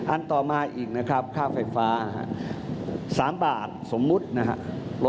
อันต่อมาอีกนะครับค่าไฟฟ้า๓บาทสมมุตินะครับ